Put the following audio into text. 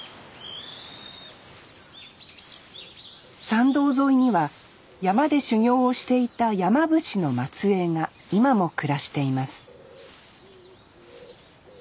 参道沿いには山で修行をしていた山伏の末えいが今も暮らしています